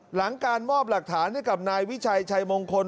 หลังการมอบหลักฐานให้กับนายวิชัยชัยมงคล